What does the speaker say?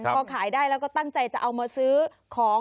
พอขายได้แล้วก็ตั้งใจจะเอามาซื้อของ